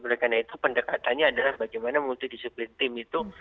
karena itu pendekatannya adalah bagaimana multidisiplin tim itu